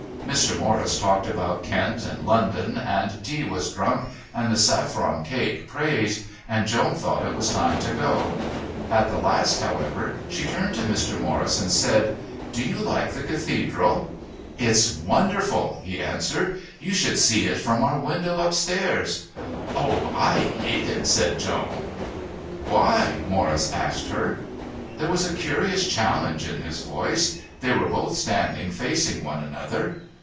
Mr. Morris talked about Kent and London, and tea was drunk and the saffron cake praised, and Joan thought it was time to go. At the last, however, she turned to Mr. Morris and said: "Do you like the Cathedral?" "It's wonderful," he answered. "You should see it from our window upstairs." "Oh, I hate it " said Joan. "Why?" Morris asked her. There was a curious challenge in his voice. They were both standing facing one another.